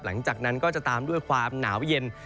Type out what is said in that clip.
หลังจากนั้นก็จะตามด้วยความหนาวเย็น